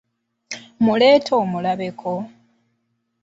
Mmuleete omulabe ko?